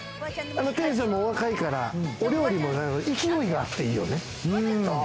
店主さんもお若いから、お料理も勢いがあっていいよね。